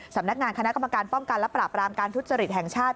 สำนักงานคณะกรรมการป้องกันและปราบรามการทุจริตแห่งชาติ